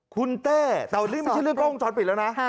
คุณเต้แต่วันนี้ไม่ใช่เรื่องกล้องวงจรปิดแล้วนะ